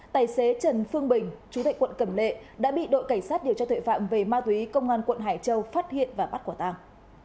tài xế trần phương bình chú tại quận cẩm lệ đã bị đội cảnh sát điều tra tuệ phạm về ma túy công an quận hải châu phát hiện và bắt quả tàng